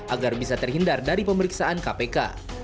agar bisa terhindar dari pemeriksaan kpk